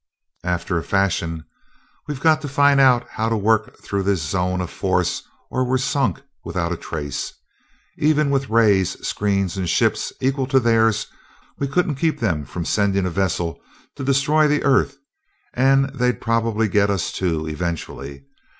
"After a fashion. We've got to find out how to work through this zone of force or we're sunk without a trace. Even with rays, screens, and ships equal to theirs, we couldn't keep them from sending a vessel to destroy the earth; and they'd probably get us too, eventually.